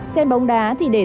xem bóng đá thì đẹp